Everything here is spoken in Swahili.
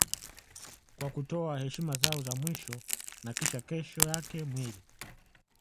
Kwa kutoa heshima zao za mwisho na kisha kesho yake mwili